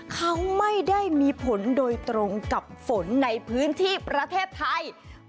เขาไม่ได้มีผลโดยตรงกับฝนในพื้นที่ประเทศไทย